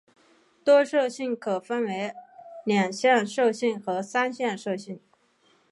多色性可分为二向色性与三向色性。